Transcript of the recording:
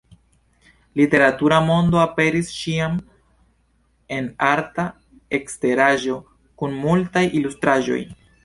Literatura Mondo aperis ĉiam en arta eksteraĵo kun multaj ilustraĵoj.